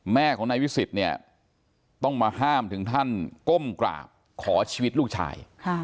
แม่ของนายวิสิทธิ์เนี่ยต้องมาห้ามถึงท่านก้มกราบขอชีวิตลูกชาย